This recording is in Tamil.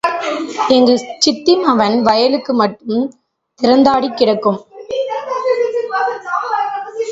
எங்க சித்தி மவன் வயலு மட்டும் திறந்தாடி கிடக்கு?